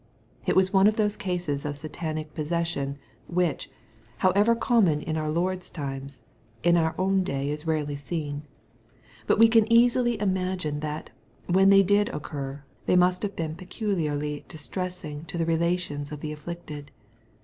It was one of those oases of Satanic pos session, which, however common in our Lord's times, in our own day is rarely seen. But we can easily imagine that, when they did occur, they must have been peculiarly distressing to the relations of the afflicted.